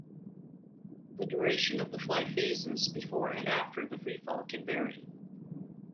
The duration of the flight phases before and after the free-fall can vary.